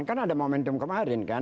kan ada momentum kemarin kan